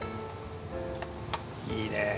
いいねえ！